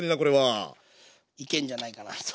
いけんじゃないかなと。